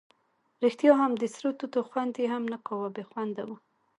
ریښتیا هم د سرو توتو خوند یې هم نه کاوه، بې خونده وو.